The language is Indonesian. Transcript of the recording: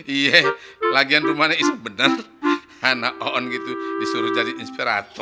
iya lagian rumahnya iso bener anak oon gitu disuruh jadi inspirator